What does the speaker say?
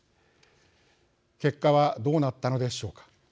結果はどうなったのでしょうか。